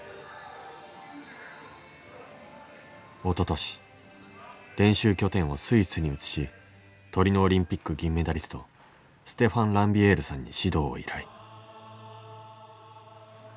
おととし練習拠点をスイスに移しトリノオリンピック銀メダリストステファン・ランビエールさんに指導を依頼。